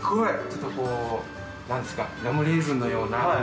ちょっとこうなんですかラムレーズンのような。